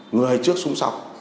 người trước sung sọc